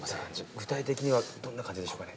具体的にはどんな感じでしょうかね。